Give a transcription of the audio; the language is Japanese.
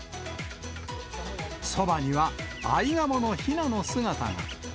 そばにはアイガモのひなの姿が。